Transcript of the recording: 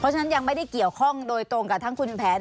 ฉะนั้นยังไม่ได้เกี่ยวข้องโดยตรงกับทั้งคุณแผน